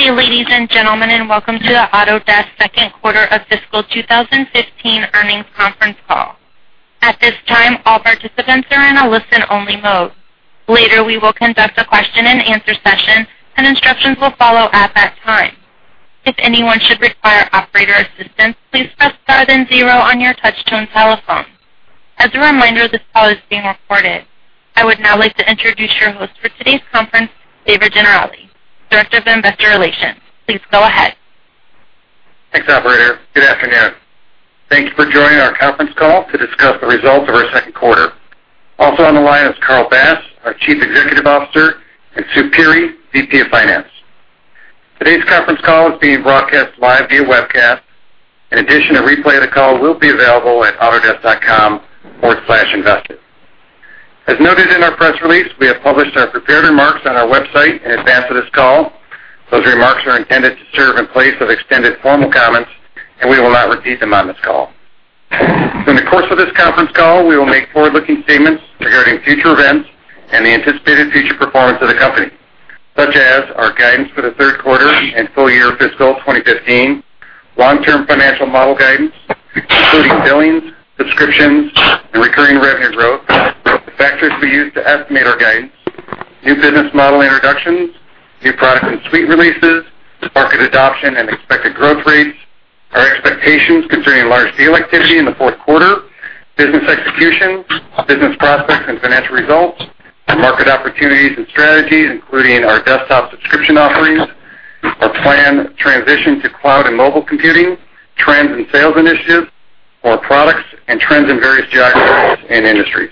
Good day, ladies and gentlemen, and welcome to the Autodesk second quarter of fiscal 2015 earnings conference call. At this time, all participants are in a listen-only mode. Later, we will conduct a question and answer session, and instructions will follow at that time. If anyone should require operator assistance, please press star then zero on your touch-tone telephone. As a reminder, this call is being recorded. I would now like to introduce your host for today's conference, David Gennarelli, Director of Investor Relations. Please go ahead. Thanks, operator. Good afternoon. Thank you for joining our conference call to discuss the results of our second quarter. Also on the line is Carl Bass, our Chief Executive Officer, and Sue Pirri, VP of Finance. Today's conference call is being broadcast live via webcast. In addition, a replay of the call will be available at autodesk.com/investor. As noted in our press release, we have published our prepared remarks on our website in advance of this call. Those remarks are intended to serve in place of extended formal comments, and we will not repeat them on this call. During the course of this conference call, we will make forward-looking statements regarding future events and the anticipated future performance of the company, such as our guidance for the third quarter and full year fiscal 2015, long-term financial model guidance, including billings, subscriptions, and recurring revenue growth, the factors we use to estimate our guidance, new business model introductions, new product and suite releases, market adoption and expected growth rates, our expectations concerning large deal activity in the fourth quarter, business execution, business prospects and financial results, market opportunities and strategies, including our desktop subscription offerings, our planned transition to cloud and mobile computing, trends and sales initiatives, our products, and trends in various geographies and industries.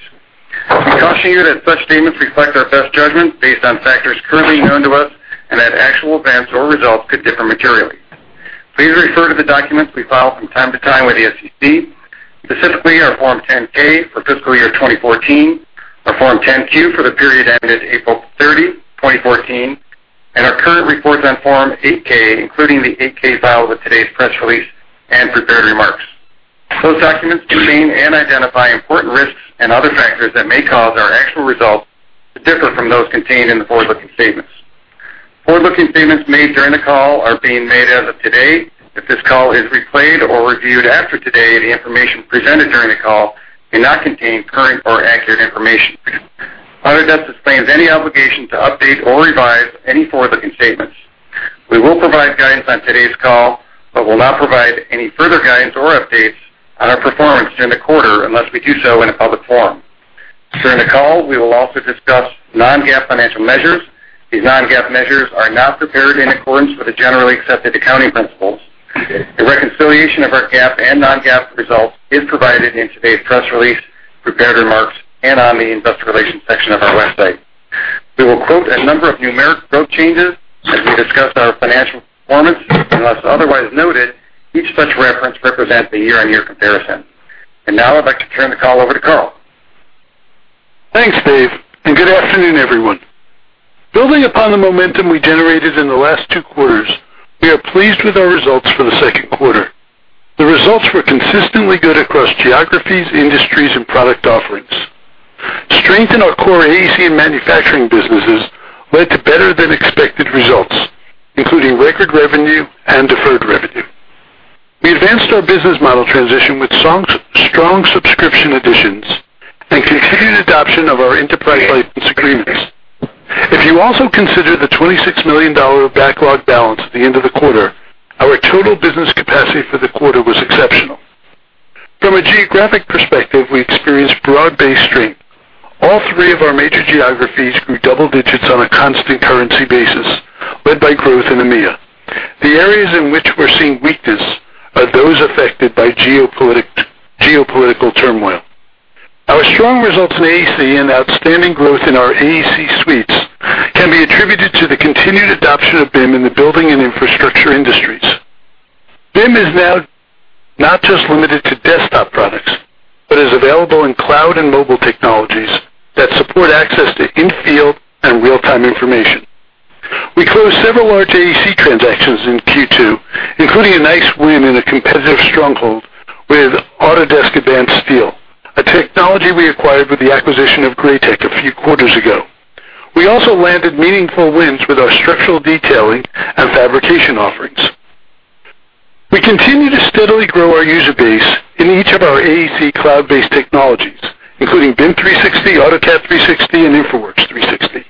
We caution you that such statements reflect our best judgment based on factors currently known to us, and that actual events or results could differ materially. Please refer to the documents we file from time to time with the SEC, specifically our Form 10-K for fiscal year 2014, our Form 10-Q for the period ended April 30, 2014, and our current reports on Form 8-K, including the 8-K filed with today's press release and prepared remarks. Those documents contain and identify important risks and other factors that may cause our actual results to differ from those contained in the forward-looking statements. Forward-looking statements made during the call are being made as of today. If this call is replayed or reviewed after today, the information presented during the call may not contain current or accurate information. Autodesk disclaims any obligation to update or revise any forward-looking statements. We will provide guidance on today's call, but will not provide any further guidance or updates on our performance during the quarter unless we do so in a public forum. During the call, we will also discuss non-GAAP financial measures. These non-GAAP measures are not prepared in accordance with the generally accepted accounting principles. A reconciliation of our GAAP and non-GAAP results is provided in today's press release, prepared remarks, and on the investor relations section of our website. We will quote a number of numeric growth changes as we discuss our financial performance. Unless otherwise noted, each such reference represents a year-on-year comparison. Now I'd like to turn the call over to Carl. Thanks, Dave, and good afternoon, everyone. Building upon the momentum we generated in the last two quarters, we are pleased with our results for the second quarter. The results were consistently good across geographies, industries, and product offerings. Strength in our core AEC and manufacturing businesses led to better than expected results, including record revenue and deferred revenue. We advanced our business model transition with strong subscription additions and continued adoption of our enterprise license agreements. If you also consider the $26 million backlog balance at the end of the quarter, our total business capacity for the quarter was exceptional. From a geographic perspective, we experienced broad-based strength. All three of our major geographies grew double digits on a constant currency basis, led by growth in EMEA. The areas in which we're seeing weakness are those affected by geopolitical turmoil. Our strong results in AEC and outstanding growth in our AEC suites can be attributed to the continued adoption of BIM in the building and infrastructure industries. BIM is now not just limited to desktop products, but is available in cloud and mobile technologies that support access to in-field and real-time information. We closed several large AEC transactions in Q2, including a nice win in a competitive stronghold with Autodesk Advance Steel, a technology we acquired with the acquisition of Graitec a few quarters ago. We also landed meaningful wins with our structural detailing and fabrication offerings. We continue to steadily grow our user base in each of our AEC cloud-based technologies, including BIM 360, AutoCAD 360, and InfraWorks 360.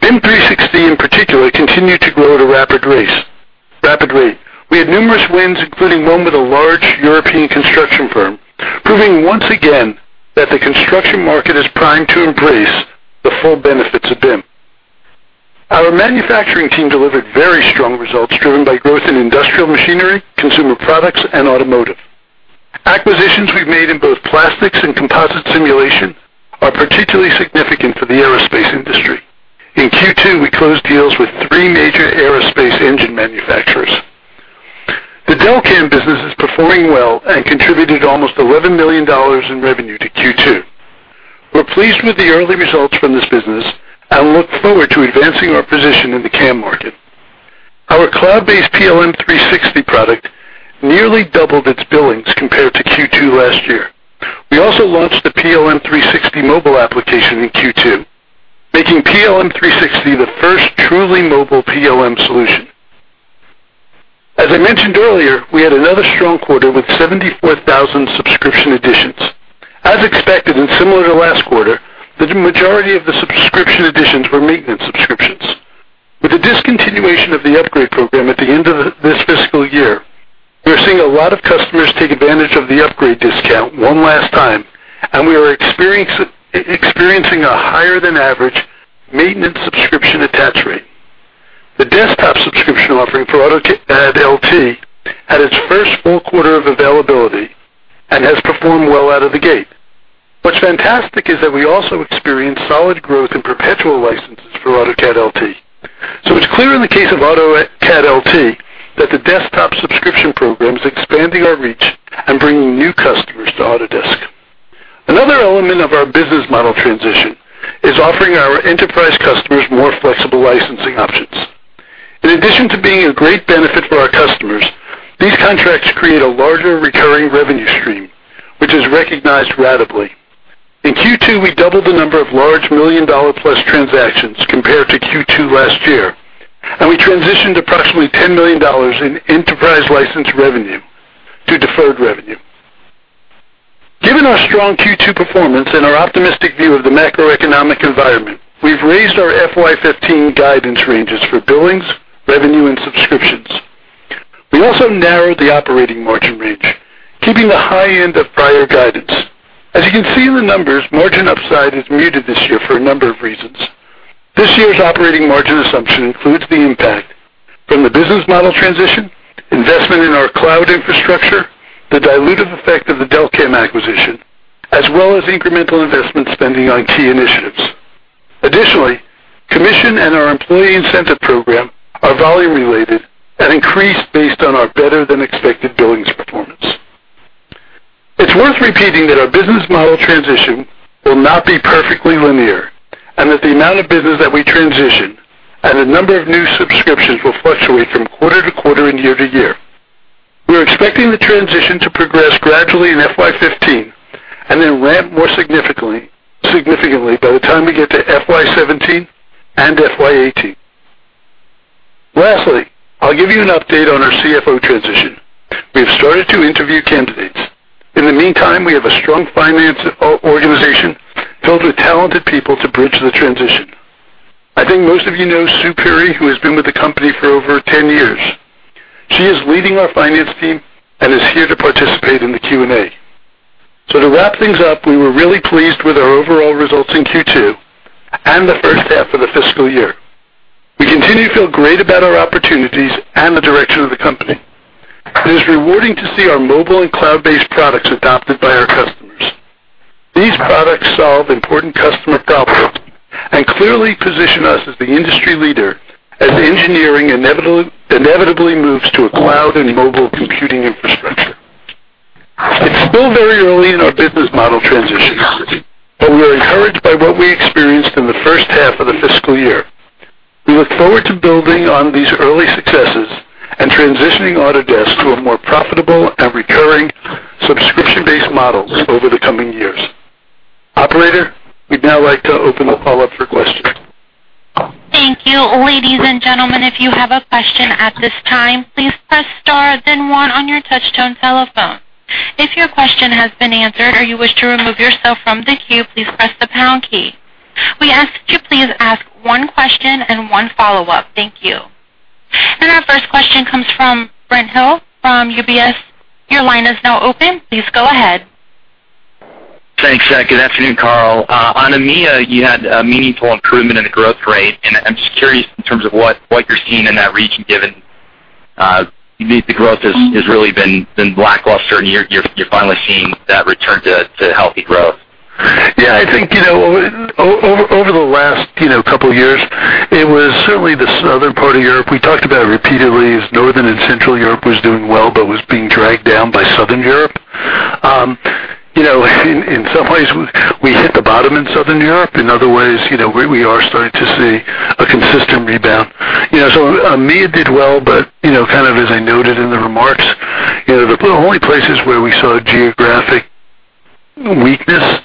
BIM 360, in particular, continued to grow at a rapid rate. We had numerous wins, including one with a large European construction firm, proving once again that the construction market is primed to embrace the full benefits of BIM. Our manufacturing team delivered very strong results driven by growth in industrial machinery, consumer products, and automotive. Acquisitions we've made in both plastics and composite simulation are particularly significant for the aerospace industry. In Q2, we closed deals with three major aerospace engine manufacturers. The Delcam business is performing well and contributed almost $11 million in revenue to Q2. We're pleased with the early results from this business and look forward to advancing our position in the CAM market. Our cloud-based PLM 360 product nearly doubled its billings compared to Q2 last year. We also launched the PLM 360 mobile application in Q2, making PLM 360 the first truly mobile PLM solution. As I mentioned earlier, we had another strong quarter with 74,000 subscription additions. As expected, and similar to last quarter, the majority of the subscription additions were maintenance subscriptions. With the discontinuation of the upgrade program at the end of this fiscal year, we are seeing a lot of customers take advantage of the upgrade discount one last time, and we are experiencing a higher than average maintenance subscription attach rate. The desktop subscription offering for AutoCAD LT had its first full quarter of availability and has performed well out of the gate. What's fantastic is that we also experienced solid growth in perpetual licenses for AutoCAD LT. It's clear in the case of AutoCAD LT that the desktop subscription program is expanding our reach and bringing new customers to Autodesk. Another element of our business model transition is offering our enterprise customers more flexible licensing options. In addition to being a great benefit for our customers, these contracts create a larger recurring revenue stream, which is recognized ratably. In Q2, we doubled the number of large million-dollar-plus transactions compared to Q2 last year, and we transitioned approximately $10 million in enterprise license revenue to deferred revenue. Given our strong Q2 performance and our optimistic view of the macroeconomic environment, we've raised our FY 2015 guidance ranges for billings, revenue and subscriptions. We also narrowed the operating margin range, keeping the high end of prior guidance. As you can see in the numbers, margin upside is muted this year for a number of reasons. This year's operating margin assumption includes the impact from the business model transition, investment in our cloud infrastructure, the dilutive effect of the Delcam acquisition, as well as incremental investment spending on key initiatives. Additionally, commission and our employee incentive program are volume related and increased based on our better than expected billings performance. It's worth repeating that our business model transition will not be perfectly linear, and that the amount of business that we transition and the number of new subscriptions will fluctuate from quarter to quarter and year to year. We are expecting the transition to progress gradually in FY 2015, and then ramp more significantly by the time we get to FY 2017 and FY 2018. Lastly, I'll give you an update on our CFO transition. We have started to interview candidates. In the meantime, we have a strong finance organization filled with talented people to bridge the transition. I think most of you know Sue Perry, who has been with the company for over 10 years. She is leading our finance team and is here to participate in the Q&A. To wrap things up, we were really pleased with our overall results in Q2 and the first half of the fiscal year. We continue to feel great about our opportunities and the direction of the company. It is rewarding to see our mobile and cloud-based products adopted by our customers. These products solve important customer problems and clearly position us as the industry leader as engineering inevitably moves to a cloud and mobile computing infrastructure. It's still very early in our business model transition, but we are encouraged by what we experienced in the first half of the fiscal year. We look forward to building on these early successes and transitioning Autodesk to a more profitable and recurring subscription-based models over the coming years. Operator, we'd now like to open the call up for questions. Thank you. Ladies and gentlemen, if you have a question at this time, please press star then one on your touchtone telephone. If your question has been answered or you wish to remove yourself from the queue, please press the pound key. We ask that you please ask one question and one follow-up. Thank you. Our first question comes from Brent Thill from UBS. Your line is now open. Please go ahead. Thanks. Good afternoon, Carl. On EMEA, you had a meaningful improvement in the growth rate, and I'm just curious in terms of what you're seeing in that region, given the growth has really been lackluster, and you're finally seeing that return to healthy growth. Yeah, I think, over the last couple of years, it was certainly the southern part of Europe we talked about repeatedly as Northern and Central Europe was doing well, but was being dragged down by Southern Europe. In some ways, we hit the bottom in Southern Europe. In other ways, we are starting to see a consistent rebound. EMEA did well, but, kind of as I noted in the remarks, the only places where we saw geographic weakness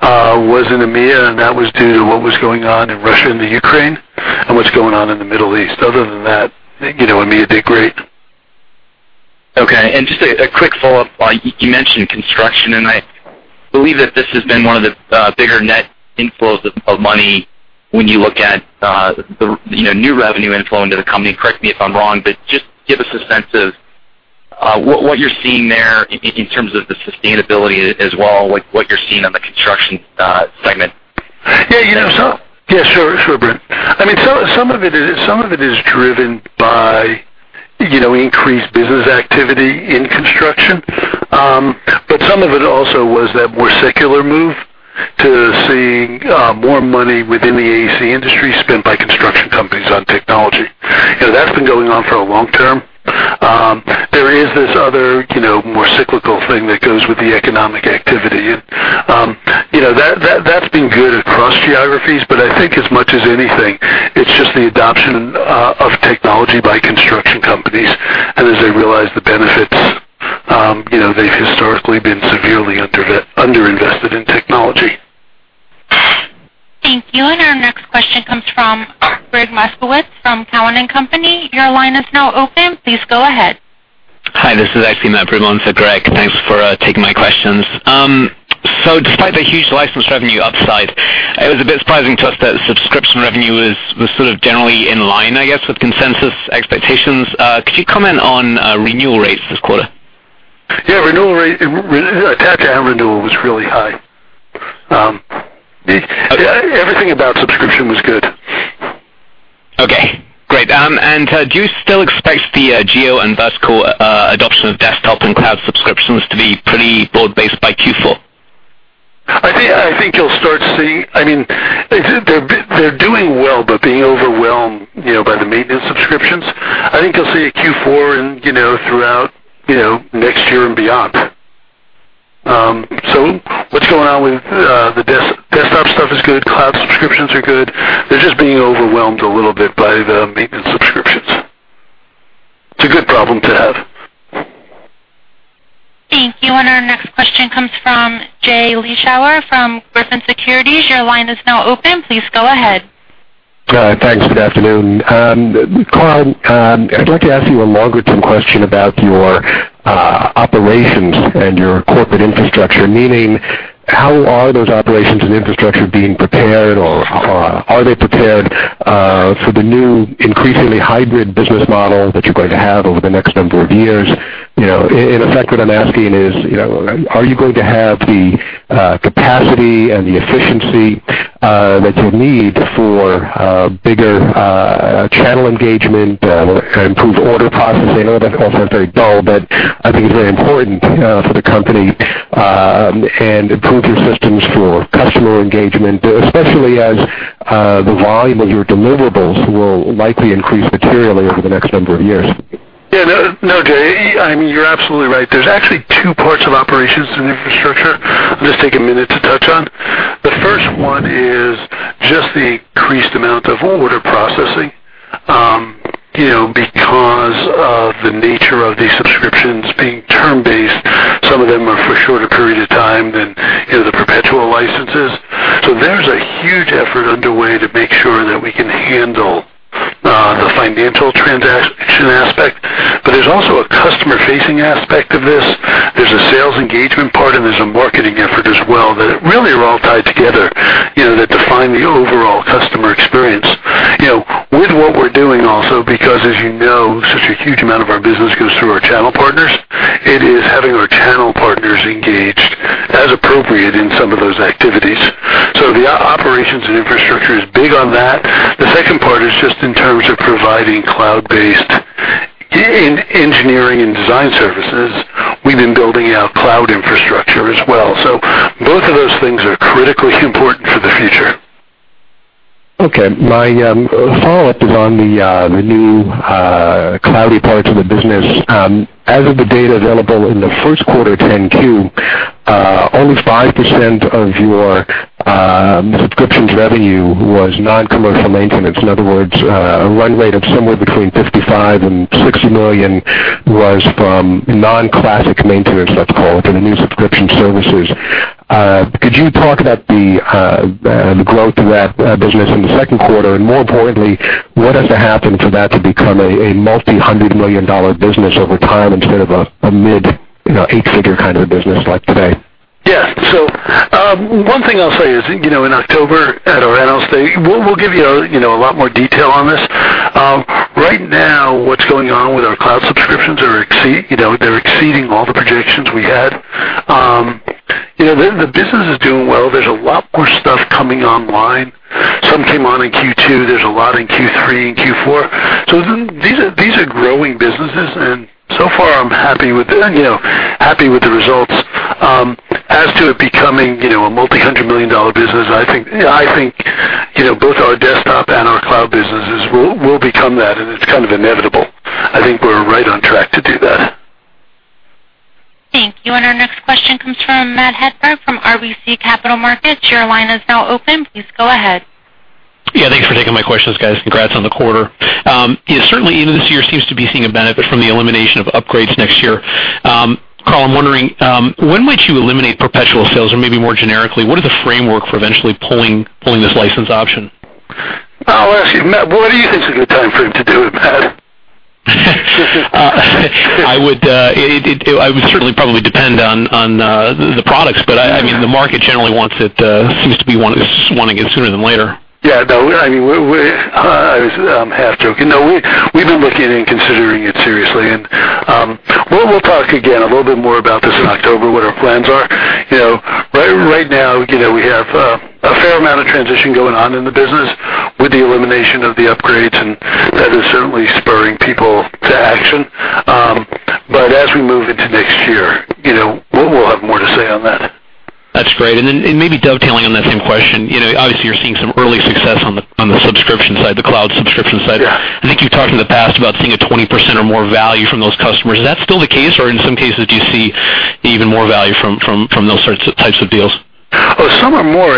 was in EMEA, and that was due to what was going on in Russia and Ukraine and what's going on in the Middle East. Other than that, EMEA did great. Okay. Just a quick follow-up. You mentioned construction, and I believe that this has been one of the bigger net inflows of money when you look at the new revenue inflow into the company, and correct me if I'm wrong, but just give us a sense of what you're seeing there in terms of the sustainability as well, what you're seeing on the construction segment. Sure, Brent. I mean, some of it is driven by increased business activity in construction. Some of it also was that more secular move to seeing more money within the AEC industry spent by construction companies on technology. That's been going on for a long term. There is this other more cyclical thing that goes with the economic activity. That's been good across geographies, I think as much as anything, it's just the adoption of Companies, and as they realize the benefits, they've historically been severely under-invested in technology. Thank you. Our next question comes from Gregg Moskowitz from Cowen and Company. Your line is now open. Please go ahead. Hi, this is actually Matt Brimon for Gregg Moskowitz. Thanks for taking my questions. Despite the huge license revenue upside, it was a bit surprising to us that subscription revenue was sort of generally in line, I guess, with consensus expectations. Could you comment on renewal rates this quarter? Attach and renewal was really high. Great. Everything about subscription was good. Okay, great. Do you still expect the geo and vertical adoption of desktop and cloud subscriptions to be pretty broad-based by Q4? I think you'll start seeing. They're doing well, but being overwhelmed by the maintenance subscriptions. I think you'll see a Q4 and throughout next year and beyond. What's going on with the desktop stuff is good. Cloud subscriptions are good. They're just being overwhelmed a little bit by the maintenance subscriptions. It's a good problem to have. Thank you. Our next question comes from Jay Vleeschhouwer from Griffin Securities. Your line is now open. Please go ahead. Thanks. Good afternoon. Carl, I'd like to ask you a longer-term question about your operations and your corporate infrastructure, meaning how are those operations and infrastructure being prepared, or are they prepared for the new increasingly hybrid business model that you're going to have over the next number of years? In effect, what I'm asking is, are you going to have the capacity and the efficiency that you'll need for bigger channel engagement, improved order processing? I know that all sounds very dull, but I think it's very important for the company, and improve your systems for customer engagement, especially as the volume of your deliverables will likely increase materially over the next number of years. Yeah. No, Jay, you're absolutely right. There's actually two parts of operations and infrastructure I'm going to take a minute to touch on. The first one is just the increased amount of order processing. Because of the nature of these subscriptions being term-based, some of them are for a shorter period of time than the perpetual licenses. There's a huge effort underway to make sure that we can handle the financial transaction aspect. There's also a customer-facing aspect of this. There's a sales engagement part, and there's a marketing effort as well, that really are all tied together, that define the overall customer experience. With what we're doing also, because as you know, such a huge amount of our business goes through our channel partners, it is having our channel partners engaged as appropriate in some of those activities. The operations and infrastructure is big on that. The second part is just in terms of providing cloud-based engineering and design services. We've been building out cloud infrastructure as well. Both of those things are critically important for the future. Okay. My follow-up is on the new cloudy parts of the business. As of the data available in the first quarter 10-Q, only 5% of your subscriptions revenue was non-commercial maintenance. In other words, a run rate of somewhere between $55 million and $60 million was from non-classic maintenance, let's call it, or the new subscription services. Could you talk about the growth of that business in the second quarter, and more importantly, what has to happen for that to become a multi-hundred million dollar business over time instead of a mid-eight-figure kind of a business, let's say? Yes. One thing I'll say is, in October at our analyst day, we'll give you a lot more detail on this. Right now, what's going on with our cloud subscriptions, they're exceeding all the projections we had. The business is doing well. There's a lot more stuff coming online. Some came on in Q2. There's a lot in Q3 and Q4. These are growing businesses, and so far I'm happy with the results. As to it becoming a multi-hundred million dollar business, I think both our desktop and our cloud businesses will become that, and it's kind of inevitable. I think we're right on track to do that. Thank you. Our next question comes from Matthew Hedberg from RBC Capital Markets. Your line is now open. Please go ahead. Thanks for taking my questions, guys. Congrats on the quarter. Certainly, even this year seems to be seeing a benefit from the elimination of upgrades next year. Carl, I'm wondering when might you eliminate perpetual sales, or maybe more generically, what is the framework for eventually pulling this license option? I'll ask you, Matt, what do you think is a good time frame to do it, Matt? It would certainly probably depend on the products, but the market generally wants it, seems to be wanting it sooner than later. Yeah. No, I was half-joking. No, we've been looking and considering it seriously. We'll talk again a little bit more about this in October, what our plans are. Right now, we have a fair amount of transition going on in the business with the elimination of the upgrades, and that is certainly spurring people to action. As we move into next year, we'll have more to say on that. That's great. Maybe dovetailing on that same question, obviously you're seeing some early success on the subscription side, the cloud subscription side. Yeah. I think you've talked in the past about seeing a 20% or more value from those customers. Is that still the case, or in some cases, do you see even more value from those types of deals? Some are more.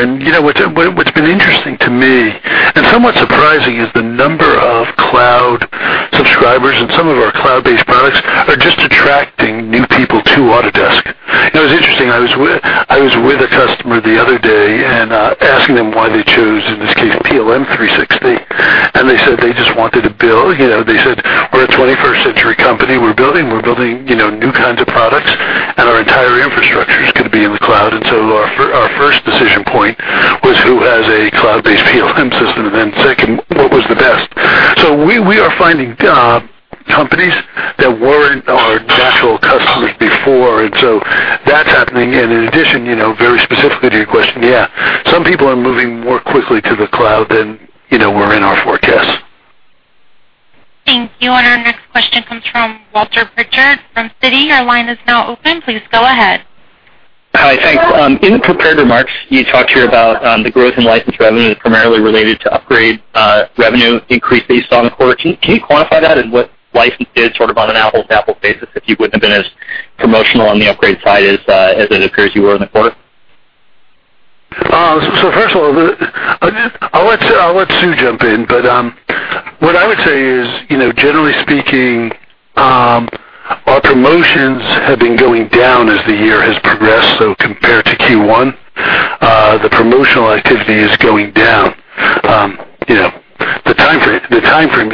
What's been interesting to me, and somewhat surprising, is the number of cloud subscribers, and some of our cloud-based products are just attracting new people to Autodesk. It was interesting, I was with a customer the other day and asking them why they chose, in this case, PLM 360, and they said they just wanted to build. They said, "We're a 21st century company. We're building new kinds of products, and our entire infrastructure's going to be in the cloud. Our first decision point was who has a cloud-based PLM system, and then second, what was the best?" We are finding companies that weren't our natural customers before, and so that's happening. In addition, very specifically to your question, yeah, some people are moving more quickly to the cloud than were in our forecast. Thank you. Our next question comes from Walter Pritchard from Citi. Your line is now open. Please go ahead. Hi, thanks. In the prepared remarks, you talked here about the growth in license revenue is primarily related to upgrade revenue increase based on the quarter. Can you quantify that? What license did, sort of on an apples-to-apples basis, if you wouldn't have been as promotional on the upgrade side as it appears you were in the quarter? First of all, I'll let Sue jump in, but what I would say is, generally speaking, our promotions have been going down as the year has progressed. Compared to Q1, the promotional activity is going down. The timeframe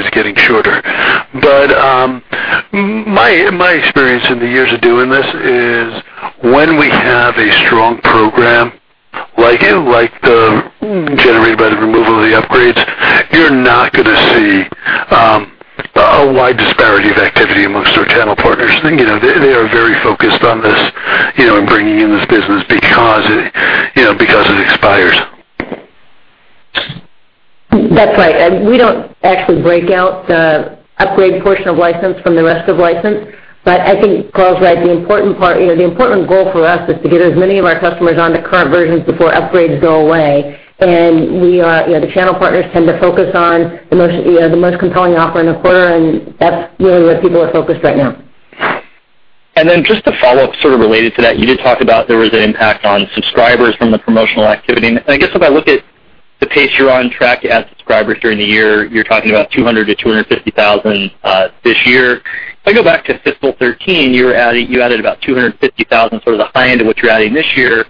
is getting shorter. My experience in the years of doing this is when we have a strong program like the generated by the removal of the upgrades, you're not going to see a wide disparity of activity amongst our channel partners. They are very focused on this, and bringing in this business because it expires. That's right. We don't actually break out the upgrade portion of license from the rest of license. I think Carl's right. The important goal for us is to get as many of our customers onto current versions before upgrades go away. The channel partners tend to focus on the most compelling offer in a quarter, and that's really where people are focused right now. Just to follow up, sort of related to that, you did talk about there was an impact on subscribers from the promotional activity. I guess if I look at the pace you're on track to add subscribers during the year, you're talking about 200,000 to 250,000 this year. If I go back to FY 2013, you added about 250,000, sort of the high end of what you're adding this year,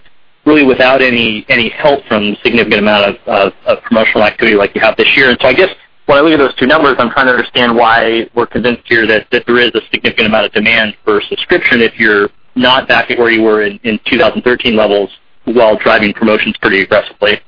really without any help from significant amount of promotional activity like you have this year. I guess when I look at those two numbers, I'm trying to understand why we're convinced here that there is a significant amount of demand for subscription if you're not back at where you were in 2013 levels while driving promotions pretty aggressively.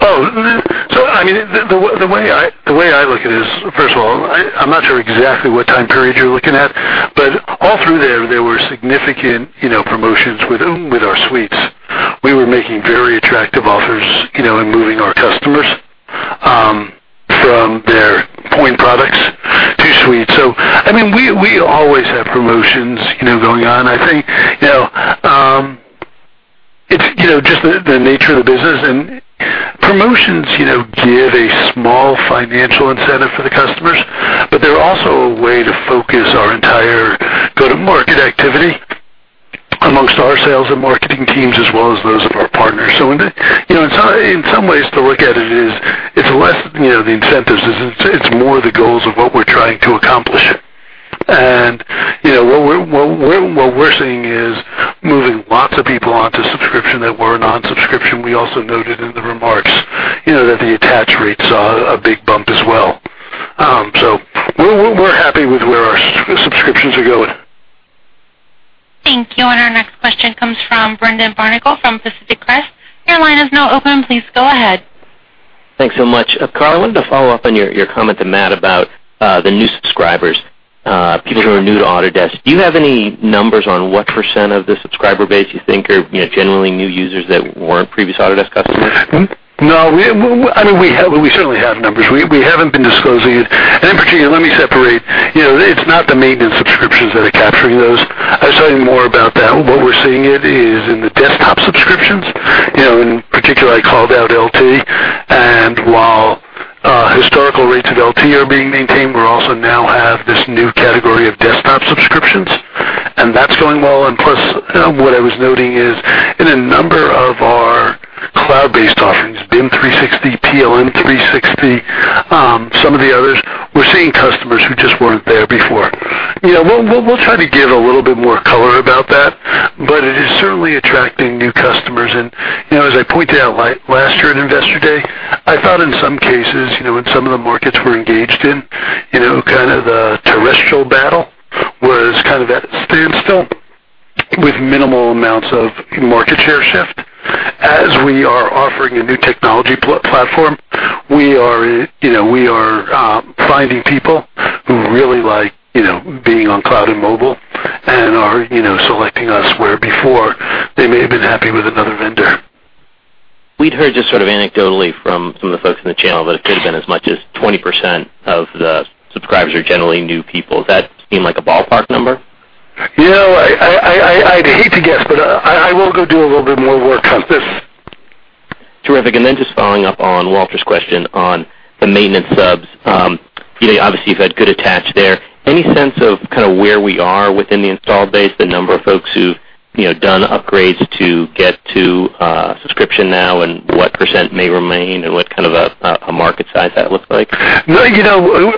The way I look at it is, first of all, I'm not sure exactly what time period you're looking at, but all through there were significant promotions with our suites. We were making very attractive offers in moving our customers from their point products to suites. We always have promotions going on. I think it's just the nature of the business, and promotions give a small financial incentive for the customers, but they're also a way to focus our entire go-to-market activity amongst our sales and marketing teams, as well as those of our partners. In some ways to look at it is, it's less the incentives. It's more the goals of what we're trying to accomplish. What we're seeing is moving lots of people onto subscription that weren't on subscription. We also noted in the remarks that the attach rates saw a big bump as well. We're happy with where our subscriptions are going. Thank you. Our next question comes from Brendan Barnicle from Pacific Crest. Your line is now open. Please go ahead. Thanks so much. Carl, I wanted to follow up on your comment to Matt about the new subscribers, people who are new to Autodesk. Do you have any numbers on what % of the subscriber base you think are genuinely new users that weren't previous Autodesk customers? No. We certainly have numbers. We haven't been disclosing it. In particular, let me separate. It's not the maintenance subscriptions that are capturing those. I'll tell you more about that. What we're seeing it is in the desktop subscriptions. In particular, I called out LT, while historical rates of LT are being maintained, we also now have this new category of desktop subscriptions, and that's going well. Plus, what I was noting is in a number of our cloud-based offerings, BIM 360, PLM 360, some of the others, we're seeing customers who just weren't there before. We'll try to give a little bit more color about that, but it is certainly attracting new customers. As I pointed out last year at Investor Day, I thought in some cases, in some of the markets we're engaged in, kind of the terrestrial battle was kind of at a standstill with minimal amounts of market share shift. As we are offering a new technology platform, we are finding people who really like being on cloud and mobile, and are selecting us, where before they may have been happy with another vendor. We'd heard just sort of anecdotally from some of the folks in the channel that it could have been as much as 20% of the subscribers are generally new people. Does that seem like a ballpark number? I'd hate to guess, but I will go do a little bit more work on this. Terrific. Then just following up on Walter's question on the maintenance subs. Obviously, you've had good attach there. Any sense of where we are within the installed base, the number of folks who've done upgrades to get to a subscription now, and what % may remain, and what kind of a market size that looks like? No,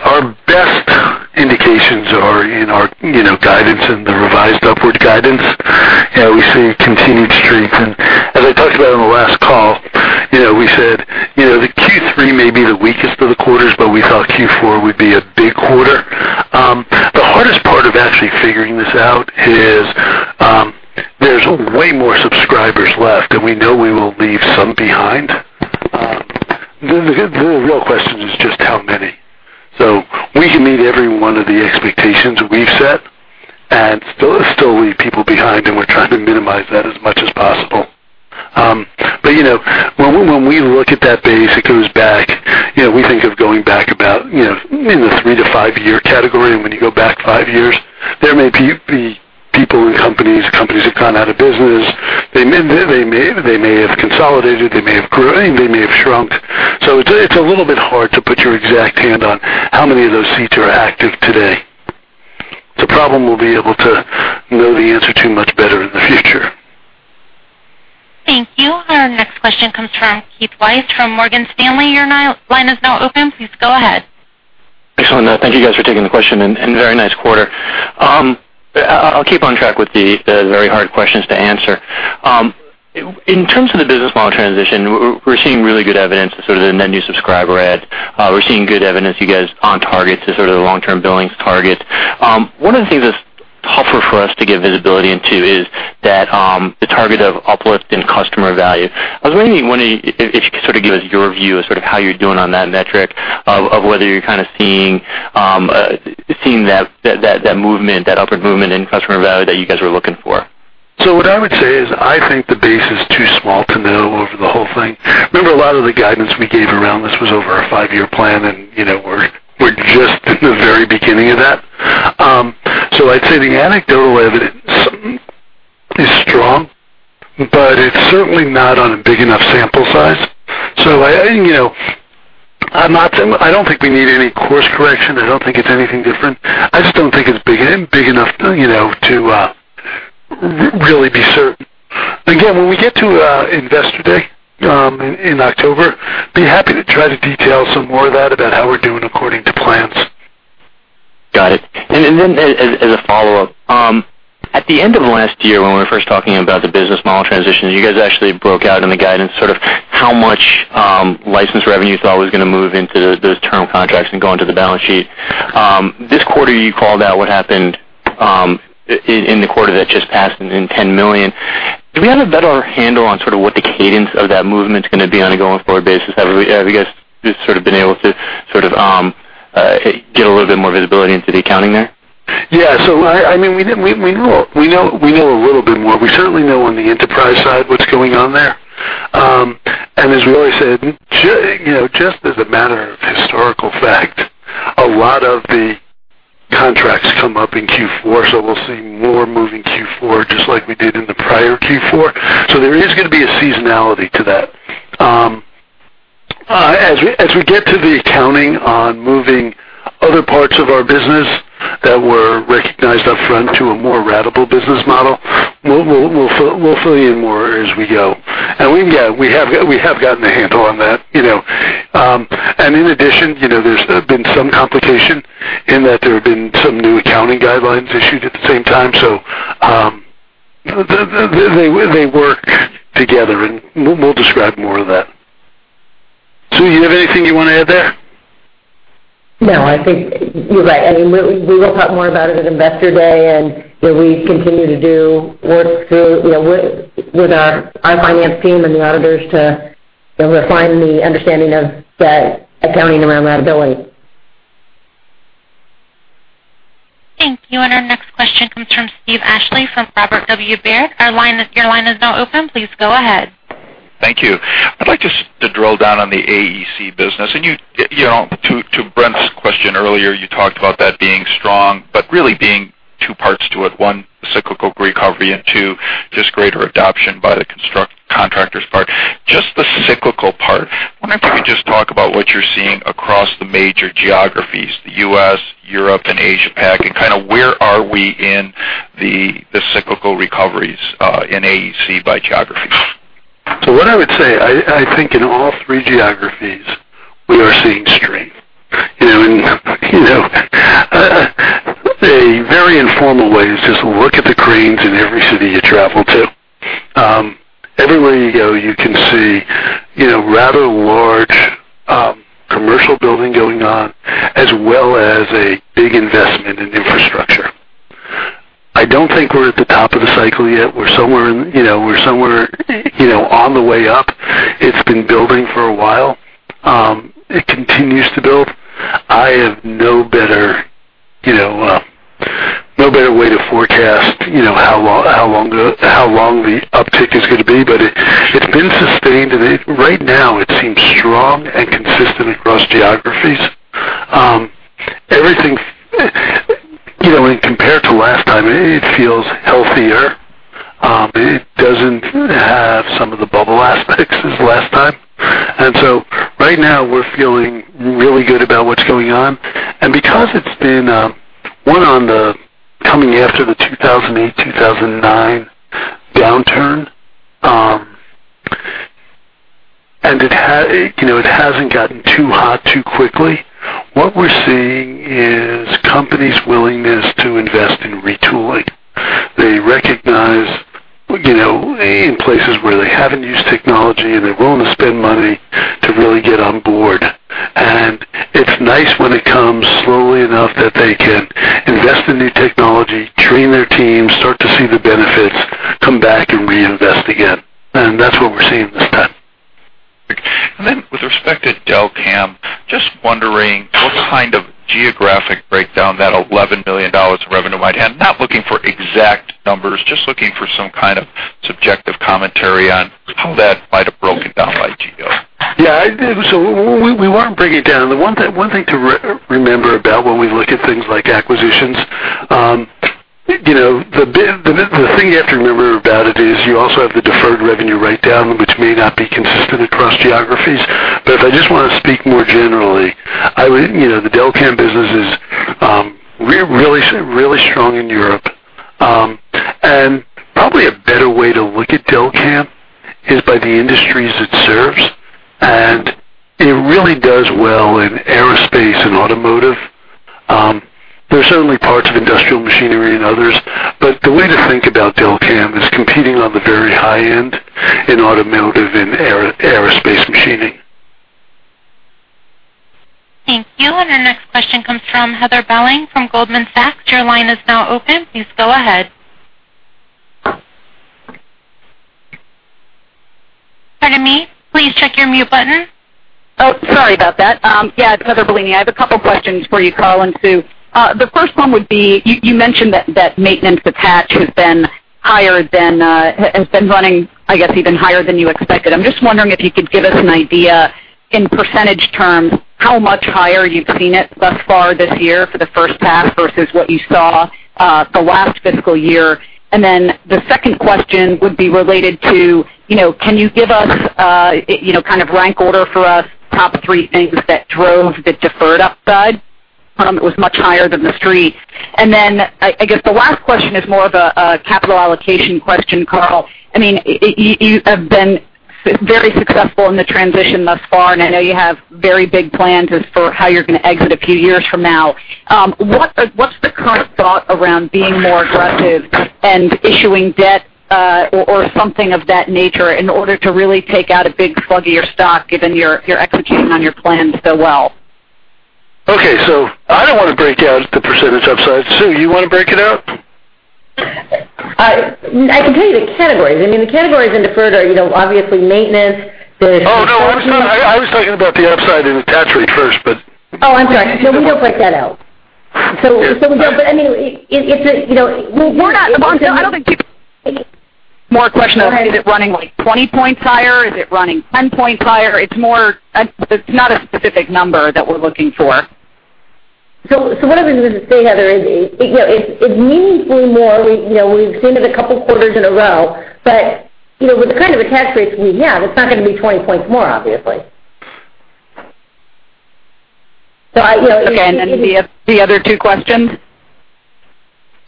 our best indications are in our guidance, in the revised upward guidance. We see continued strength. As I talked about on the last call, we said the Q3 may be the weakest of the quarters, but we thought Q4 would be a big quarter. The hardest part of actually figuring this out is there's way more subscribers left, and we know we will leave some behind. The real question is just how many. We can meet every one of the expectations we've set and still leave people behind, and we're trying to minimize that as much as possible. When we look at that base, it goes back, we think of going back about in the three to five-year category. When you go back five years, there may be people and companies have gone out of business. They may have consolidated, they may have grown, they may have shrunk. It's a little bit hard to put your exact hand on how many of those seats are active today. It's a problem we'll be able to know the answer to much better in the future. Thank you. Our next question comes from Keith Weiss from Morgan Stanley. Your line is now open. Please go ahead. Excellent. Thank you guys for taking the question, very nice quarter. I'll keep on track with the very hard questions to answer. In terms of the business model transition, we're seeing really good evidence of sort of the net new subscriber adds. We're seeing good evidence you guys on target to sort of the long-term billings target. One of the things that's tougher for us to get visibility into is that the target of uplift in customer value. I was wondering if you could sort of give us your view of how you're doing on that metric, of whether you're kind of seeing that movement, that upward movement in customer value that you guys are looking for. What I would say is I think the base is too small to know over the whole thing. Remember, a lot of the guidance we gave around this was over a five-year plan, we're just in the very beginning of that. I'd say the anecdotal evidence is strong, it's certainly not on a big enough sample size. I don't think we need any course correction. I don't think it's anything different. I just don't think it's big enough to really be certain. Again, when we get to Investor Day in October, be happy to try to detail some more of that about how we're doing according to plans. Got it. As a follow-up, at the end of last year, when we were first talking about the business model transition, you guys actually broke out in the guidance sort of how much license revenue you thought was going to move into those term contracts and go onto the balance sheet. This quarter, you called out what happened in the quarter that just passed in $10 million. Do we have a better handle on sort of what the cadence of that movement's gonna be on a going forward basis? Have you guys just sort of been able to sort of get a little bit more visibility into the accounting there? Yeah. We know a little bit more. We certainly know on the enterprise side what's going on there. As Lori said, just as a matter of historical fact, a lot of the contracts come up in Q4, so we'll see more move in Q4 just like we did in the prior Q4. There is gonna be a seasonality to that. As we get to the accounting on moving other parts of our business that were recognized upfront to a more ratable business model, we'll fill you in more as we go. Yeah, we have gotten a handle on that. In addition, there's been some complication in that there have been some new accounting guidelines issued at the same time. They work together, and we'll describe more of that. Sue, you have anything you wanna add there? No, I think you're right. We will talk more about it at Investor Day, we continue to do work through with our finance team and the auditors to refine the understanding of the accounting around ratability. Thank you. Our next question comes from Steve Ashley from Robert W. Baird. Your line is now open. Please go ahead. Thank you. I'd like just to drill down on the AEC business. To Brent's question earlier, you talked about that being strong, but really being two parts to it. One, cyclical recovery, and two, just greater adoption by the contractors part. Just the cyclical part, I wonder if you could just talk about what you're seeing across the major geographies, the U.S., Europe, and Asia-Pac, and kind of where are we in the cyclical recoveries in AEC by geographies. What I would say, I think in all three geographies, we are seeing strength. A very informal way is just look at the cranes in every city you travel to. Everywhere you go, you can see rather large commercial building going on, as well as a big investment in infrastructure. I don't think we're at the top of the cycle yet. We're somewhere on the way up. It's been building for a while. It continues to build. I have no better way to forecast how long the uptick is gonna be. It's been sustained, and right now it seems strong and consistent across geographies. When compared to last time, it feels healthier. It doesn't have some of the bubble aspects as last time. Right now we're feeling really good about what's going on. Because it's been one on the coming after the 2008, 2009 downturn, and it hasn't gotten too hot too quickly, what we're seeing is companies' willingness to invest in retooling. They recognize in places where they haven't used technology, and they're willing to spend money to really get on board. It's nice when it comes slowly enough that they can invest in new technology, train their teams, start to see the benefits, come back and reinvest again. That's what we're seeing this time. With respect to Delcam, just wondering what kind of geographic breakdown that $11 million of revenue might have. Not looking for exact numbers, just looking for some kind of subjective commentary on how that might have broken down by geo. Yeah. We weren't breaking it down. The one thing to remember about when we look at things like acquisitions, the thing you have to remember about it is you also have the deferred revenue write-down, which may not be consistent across geographies. If I just want to speak more generally, the Delcam business is really strong in Europe. Probably a better way to look at Delcam is by the industries it serves, and it really does well in aerospace and automotive. There are certainly parts of industrial machinery and others, but the way to think about Delcam is competing on the very high end in automotive and aerospace machining. Thank you. Our next question comes from Heather Bellini from Goldman Sachs. Your line is now open. Please go ahead. Pardon me. Please check your mute button. Sorry about that. Yeah. It's Heather Bellini. I have a couple questions for you, Carl and Sue. The first one would be, you mentioned that maintenance attach has been running, I guess, even higher than you expected. I'm just wondering if you could give us an idea, in percentage terms, how much higher you've seen it thus far this year for the first half versus what you saw the last fiscal year. The second question would be related to, can you give us kind of rank order for us, top three things that drove the deferred upside that was much higher than The Street's. I guess the last question is more of a capital allocation question, Carl. You have been very successful in the transition thus far, and I know you have very big plans as for how you're going to exit a few years from now. What's the current thought around being more aggressive and issuing debt or something of that nature in order to really take out a big slug of your stock, given you're executing on your plans so well? Okay. I don't want to break out the % upside. Sue, you want to break it out? I can tell you the categories. The categories in deferred are obviously maintenance, there's consulting- Oh, no, I was talking about the upside in attach rate first, but- Oh, I'm sorry. We don't break that out. More a question of, is it running 20 points higher? Is it running 10 points higher? It's not a specific number that we're looking for. What I would say, Heather, is it's meaningfully more. We've seen it a couple of quarters in a row, but with the kind of attach rates we have, it's not going to be 20 points more, obviously. Okay. The other two questions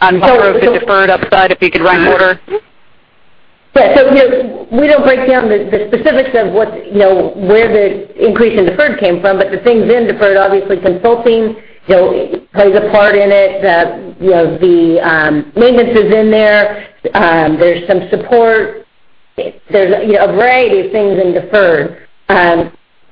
on what drove the deferred upside, if you could rank order. Yeah. We don't break down the specifics of where the increase in deferred came from. The things in deferred, obviously consulting plays a part in it. The maintenance is in there. There's some support. There's a variety of things in deferred.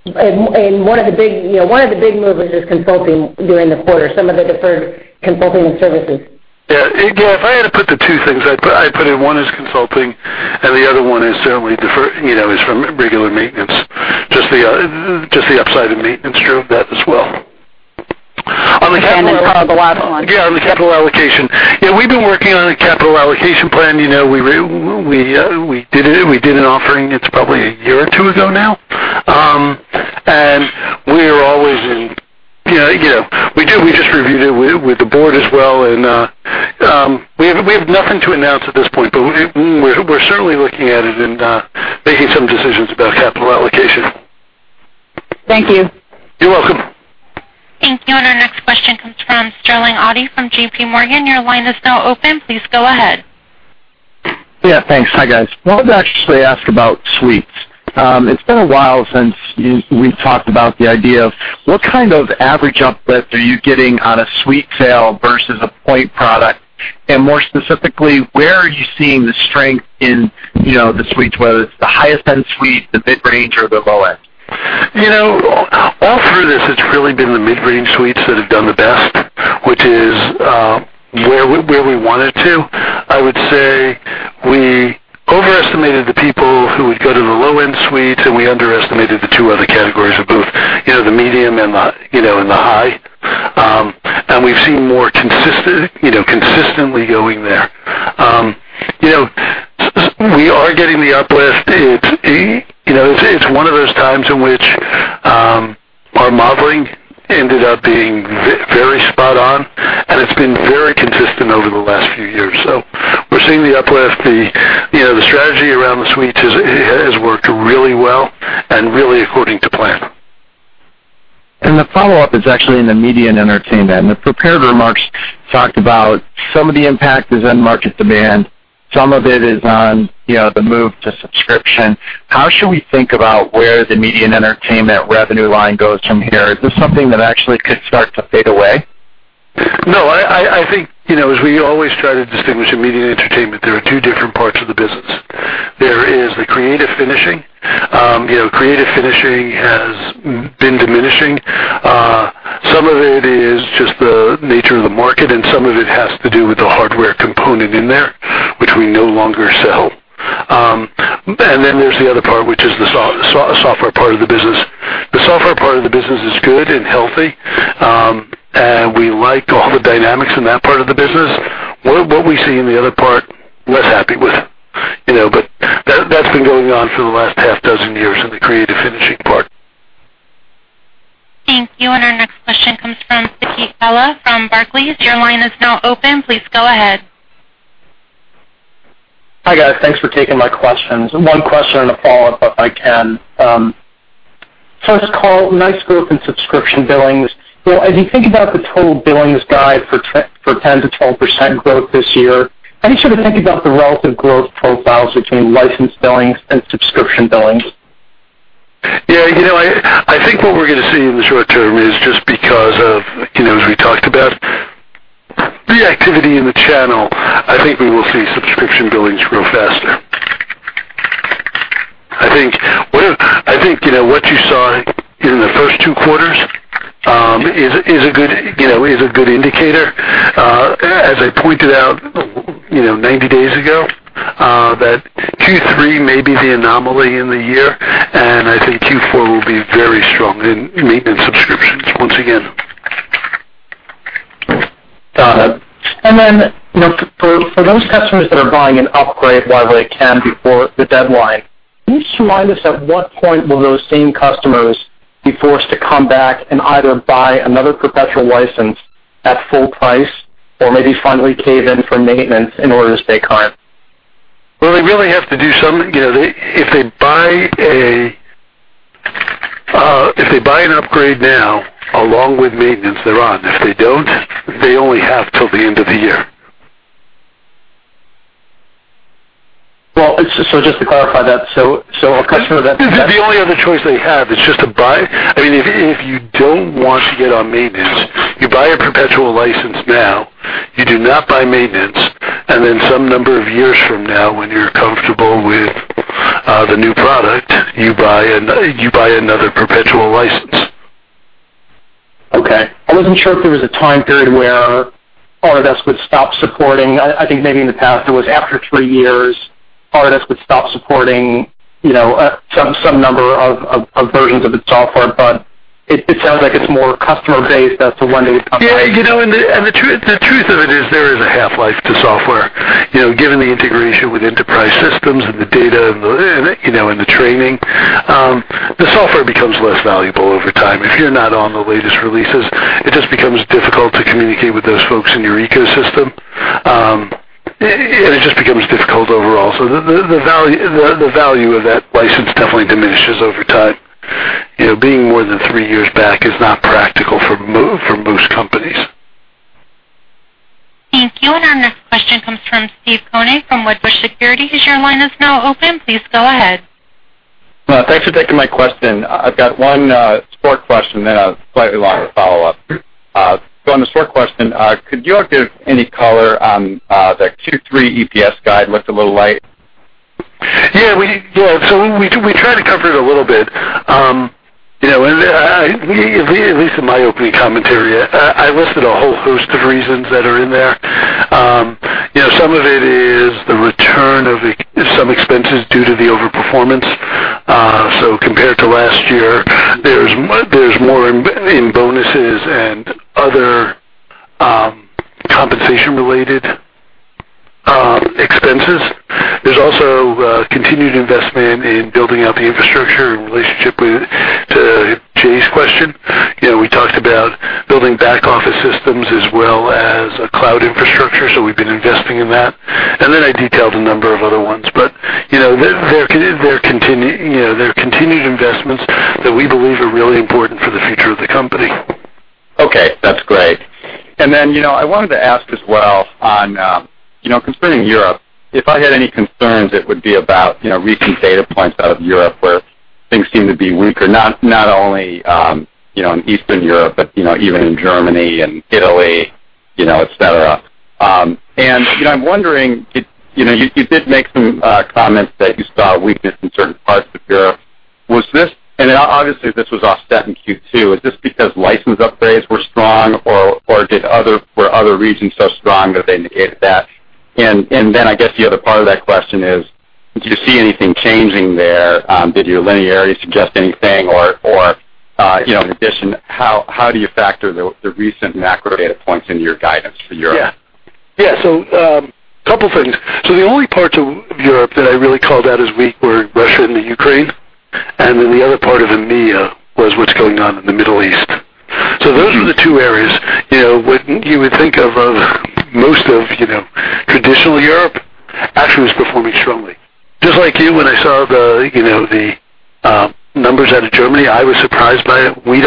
One of the big movers is consulting during the quarter, some of the deferred consulting and services. Yeah. If I had to put the two things, I'd put it one is consulting and the other one is certainly from regular maintenance, just the upside in maintenance drove that as well. Carl, the last one. Yeah, on the capital allocation. Yeah, we've been working on a capital allocation plan. We did an offering, it's probably a year or two ago now. We do. We just reviewed it with the Board as well, and we have nothing to announce at this point, but we're certainly looking at it and making some decisions about capital allocation. Thank you. You're welcome. Thank you. Our next question comes from Sterling Auty from JPMorgan. Your line is now open. Please go ahead. Yeah, thanks. Hi, guys. Wanted to actually ask about suites. It's been a while since we've talked about the idea of what kind of average uplift are you getting on a suite sale versus a point product? More specifically, where are you seeing the strength in the suites, whether it's the highest end suites, the mid-range or the low end? All through this, it's really been the mid-range suites that have done the best, which is where we wanted to. I would say we overestimated the people who would go to the low-end suites, and we underestimated the two other categories of both the medium and the high. We've seen more consistently going there. We are getting the uplift. It's one of those times in which our modeling ended up being very spot on, and it's been very consistent over the last few years. We're seeing the uplift. The strategy around the suites has worked really well and really according to plan. The follow-up is actually in the media and entertainment. The prepared remarks talked about some of the impact is on market demand, some of it is on the move to subscription. How should we think about where the media and entertainment revenue line goes from here? Is this something that actually could start to fade away? No, as we always try to distinguish in media and entertainment, there are two different parts of the business. There is the creative finishing. Creative finishing has been diminishing. Some of it is just the nature of the market, and some of it has to do with the hardware component in there, which we no longer sell. There's the other part, which is the software part of the business. The software part of the business is good and healthy. We like all the dynamics in that part of the business. What we see in the other part, less happy with. That's been going on for the last half dozen years in the creative finishing part. Thank you. Our next question comes from Saket Kalia from Barclays. Your line is now open. Please go ahead. Hi, guys. Thanks for taking my questions. One question and a follow-up, if I can. First, Carl, nice growth in subscription billings. As you think about the total billings guide for 10%-12% growth this year, how do you think about the relative growth profiles between license billings and subscription billings? Yeah. I think what we're going to see in the short term is just because of, as we talked about, the activity in the channel, I think we will see subscription billings grow faster. I think, what you saw in the first two quarters is a good indicator. As I pointed out 90 days ago, that Q3 may be the anomaly in the year, and I think Q4 will be very strong in maintenance subscriptions, once again. Got it. Then for those customers that are buying an upgrade while they can before the deadline, can you just remind us at what point will those same customers be forced to come back and either buy another perpetual license at full price or maybe finally cave in for maintenance in order to stay current? They really have to do something. If they buy an upgrade now along with maintenance, they're on. If they don't, they only have till the end of the year. Just to clarify that. The only other choice they have is just to buy. If you don't want to get on maintenance, you buy a perpetual license now, you do not buy maintenance, then some number of years from now, when you're comfortable with the new product, you buy another perpetual license. Okay. I wasn't sure if there was a time period where Autodesk would stop supporting. I think maybe in the past it was after three years, Autodesk would stop supporting some number of versions of its software, it sounds like it's more customer-based as to when they would come back. Yeah. The truth of it is there is a half-life to software. Given the integration with enterprise systems and the data and the training, the software becomes less valuable over time. If you're not on the latest releases, it just becomes difficult to communicate with those folks in your ecosystem. It just becomes difficult overall. The value of that license definitely diminishes over time. Being more than three years back is not practical for most companies. Thank you. Our next question comes from Steve Koenig from Wedbush Securities. Your line is now open. Please go ahead. Thanks for taking my question. I have got one short question, then a slightly longer follow-up. On the short question, could you give any color on the Q3 EPS guide looked a little light? Yeah. We try to cover it a little bit. At least in my opening commentary, I listed a whole host of reasons that are in there. Some of it is the return of some expenses due to the over-performance. Compared to last year, there is more in bonuses and other compensation-related expenses. There is also continued investment in building out the infrastructure in relationship with Jay's question. We talked about building back-office systems as well as a cloud infrastructure, we have been investing in that. I detailed a number of other ones. There are continued investments that we believe are really important for the future of the company. Okay, that is great. I wanted to ask as well on, concerning Europe, if I had any concerns, it would be about recent data points out of Europe where things seem to be weaker, not only in Eastern Europe, but even in Germany and Italy, et cetera. I am wondering, you did make some comments that you saw weakness in certain parts of Europe. Obviously, this was offset in Q2. Is this because license upgrades were strong, or were other regions so strong that they indicated that? I guess the other part of that question is, do you see anything changing there? Did your linearity suggest anything? How do you factor the recent macro data points into your guidance for Europe? Yeah. A couple things. The only parts of Europe that I really called out as weak were Russia and Ukraine, the other part of EMEA was what is going on in the Middle East. Those are the two areas. What you would think of, most of traditional Europe actually was performing strongly. Just like you, when I saw the numbers out of Germany, I was surprised by it. We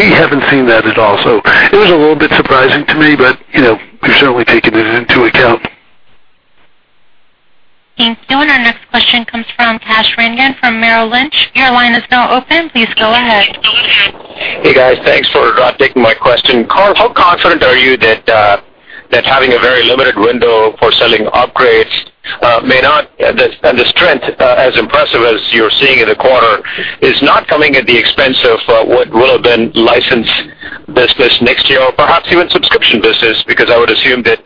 haven't seen that at all. It was a little bit surprising to me, we have certainly taken it into account. Thank you. Our next question comes from Kash Rangan from Merrill Lynch. Your line is now open. Please go ahead. Hey, guys. Thanks for taking my question. Carl, how confident are you that having a very limited window for selling upgrades may not, and the strength as impressive as you're seeing in the quarter, is not coming at the expense of what will have been licensed business next year, or perhaps even subscription business? I would assume that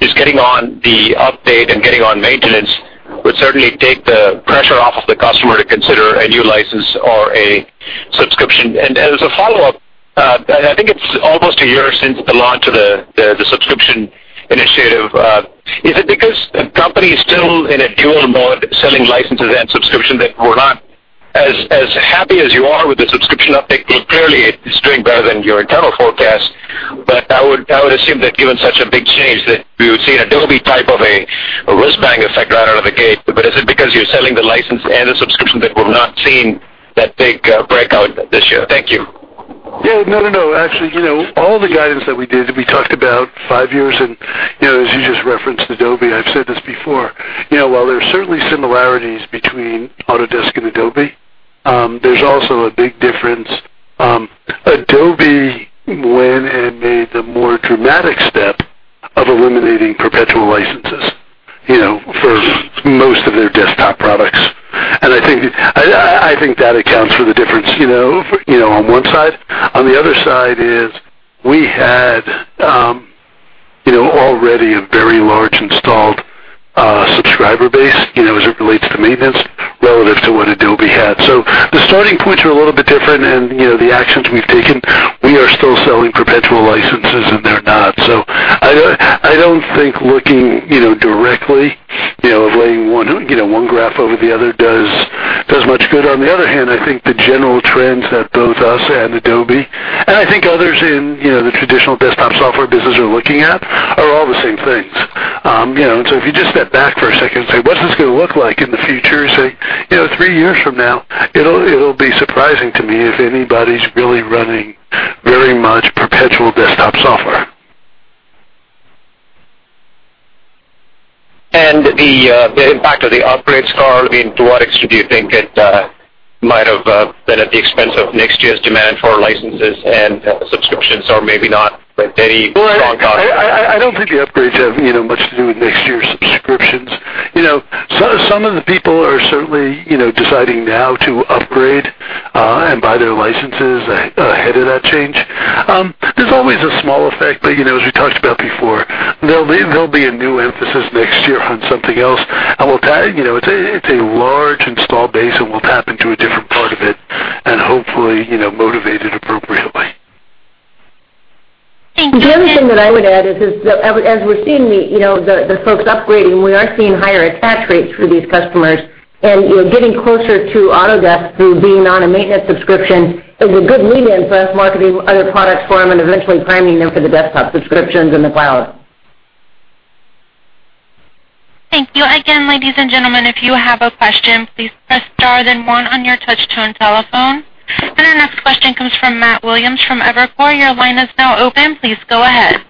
just getting on the update and getting on maintenance would certainly take the pressure off of the customer to consider a new license or a subscription. As a follow-up, I think it's almost a year since the launch of the subscription initiative. Is it because the company is still in a dual mode, selling licenses and subscription, that we're not as happy as you are with the subscription uptake? Clearly it's doing better than your internal forecast. I would assume that given such a big change, that we would see an Adobe type of a whiz bang effect right out of the gate. Is it because you're selling the license and the subscription that we've not seen that big breakout this year? Thank you. Yeah. No, actually, all the guidance that we did, we talked about five years, as you just referenced Adobe, I've said this before. While there are certainly similarities between Autodesk and Adobe, there's also a big difference. Adobe went and made the more dramatic step of eliminating perpetual licenses for most of their desktop products. I think that accounts for the difference on one side. On the other side is we had already a very large installed subscriber base, as it relates to maintenance relative to what Adobe had. The starting points are a little bit different and the actions we've taken, we are still selling perpetual licenses, and they're not. I don't think looking directly, of laying one graph over the other does much good. I think the general trends that both us and Adobe, and I think others in the traditional desktop software business are looking at, are all the same things. If you just step back for a second and say, "What's this going to look like in the future?" Say, three years from now, it'll be surprising to me if anybody's really running very much perpetual desktop software. The impact of the upgrades, Carl, I mean, to what extent do you think it might have been at the expense of next year's demand for licenses and subscriptions, or maybe not with any. Well, I don't think the upgrades have much to do with next year's subscriptions. Some of the people are certainly deciding now to upgrade and buy their licenses ahead of that change. There's always a small effect, but as we talked about before, there'll be a new emphasis next year on something else. It's a large install base, and we'll tap into a different part of it and hopefully motivate it appropriately. Thank you. The only thing that I would add is, as we're seeing the folks upgrading, we are seeing higher attach rates for these customers. Getting closer to Autodesk through being on a maintenance subscription is a good lead-in for us marketing other products for them and eventually priming them for the desktop subscriptions in the cloud. Thank you. Again, ladies and gentlemen, if you have a question, please press star then one on your touch-tone telephone. Our next question comes from Matthew Williams from Evercore. Your line is now open. Please go ahead.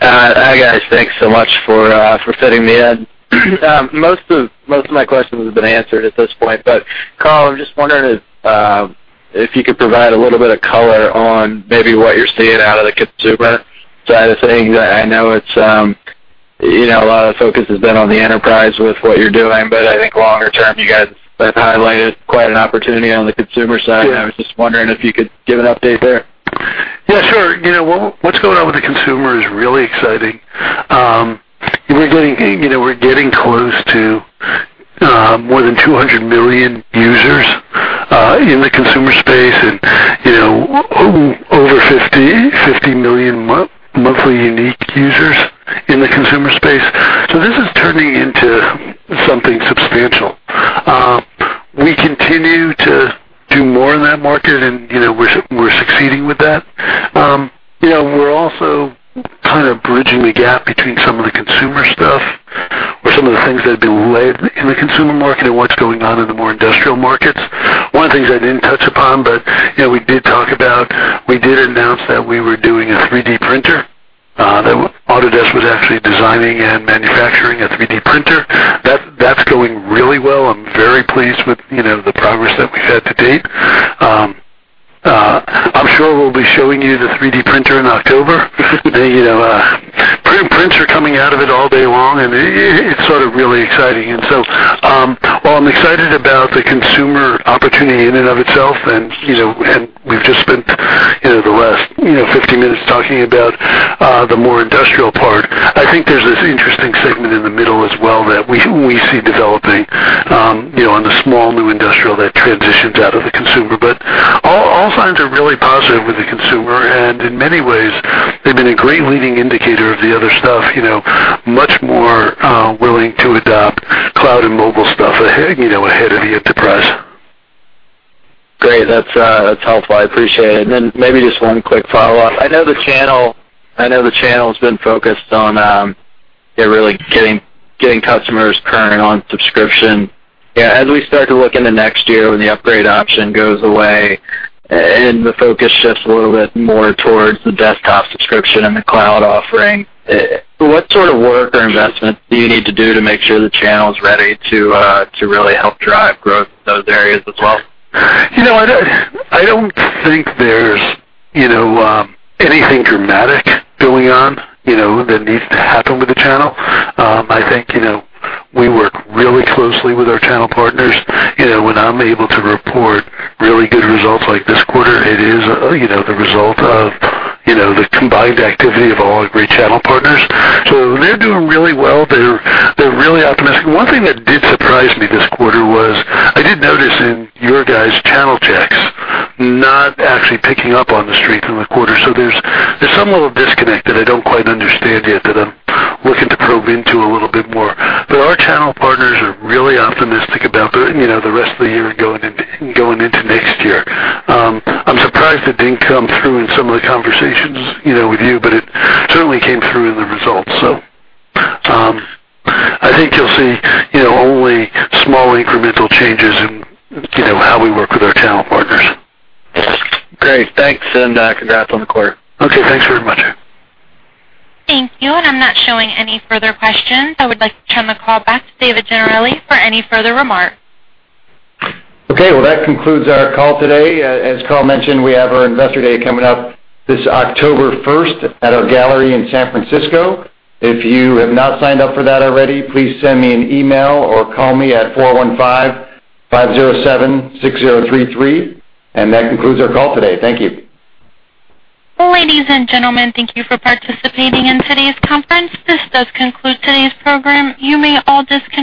Hi, guys. Thanks so much for fitting me in. Most of my questions have been answered at this point, Carl, I'm just wondering if you could provide a little bit of color on maybe what you're seeing out of the consumer side of things. I know a lot of focus has been on the enterprise with what you're doing, I think longer term, you guys have highlighted quite an opportunity on the consumer side. Yeah. I was just wondering if you could give an update there. Yeah, sure. What's going on with the consumer is really exciting. We're getting close to more than 200 million users in the consumer space and over 50 million monthly unique users in the consumer space. This is turning into something substantial. We continue to do more in that market, and we're succeeding with that. We're also kind of bridging the gap between some of the consumer stuff or some of the things that have been late in the consumer market and what's going on in the more industrial markets. One of the things I didn't touch upon, but we did talk about, we did announce that we were doing a 3D printer, that Autodesk was actually designing and manufacturing a 3D printer. That's going really well. I'm very pleased with the progress that we've had to date. I'm sure we'll be showing you the 3D printer in October. Printing coming out of it all day long, and it's sort of really exciting. While I'm excited about the consumer opportunity in and of itself, and we've just spent the last 50 minutes talking about the more industrial part, I think there's this interesting segment in the middle as well that we see developing, on the small new industrial that transitions out of the consumer. All signs are really positive with the consumer, and in many ways, they've been a great leading indicator of the other stuff, much more willing to adopt cloud and mobile stuff ahead of the enterprise. Great. That's helpful. I appreciate it. Maybe just one quick follow-up. I know the channel's been focused on really getting customers current on subscription. As we start to look into next year when the upgrade option goes away and the focus shifts a little bit more towards the desktop subscription and the cloud offering, what sort of work or investment do you need to do to make sure the channel's ready to really help drive growth in those areas as well? I don't think there's anything dramatic going on that needs to happen with the channel. I think we work really closely with our channel partners. When I'm able to report really good results like this quarter, it is the result of the combined activity of all our great channel partners. They're doing really well. They're really optimistic. One thing that did surprise me this quarter was I did notice in your guys' channel checks, not actually picking up on the strength in the quarter. There's some little disconnect that I don't quite understand yet that I'm looking to probe into a little bit more. Our channel partners are really optimistic about the rest of the year and going into next year. I'm surprised it didn't come through in some of the conversations with you, but it certainly came through in the results. I think you'll see only small incremental changes in how we work with our channel partners. Great. Thanks, congrats on the quarter. Okay. Thanks very much. Thank you. I'm not showing any further questions. I would like to turn the call back to David Gennarelli for any further remarks. Okay. Well, that concludes our call today. As Carl mentioned, we have our Investor Day coming up this October 1st at our gallery in San Francisco. If you have not signed up for that already, please send me an email or call me at 415-507-6033. That concludes our call today. Thank you. Ladies and gentlemen, thank you for participating in today's conference. This does conclude today's program. You may all disconnect.